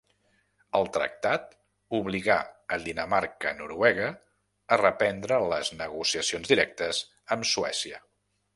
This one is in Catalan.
El tractat obligà a Dinamarca-Noruega a reprendre les negociacions directes amb Suècia.